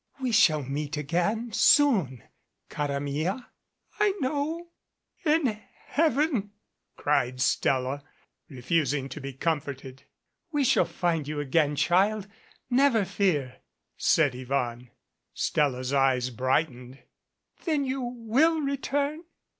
"We shall meet again soon, car a mia." "I know in Heaven," cried Stella, refusing to be comforted. "We shall find you again, child, never fear," said Yvonne. Stella's eyes brightened. "Then you will return?"